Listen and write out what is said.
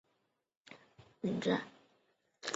遴谙学务者充之。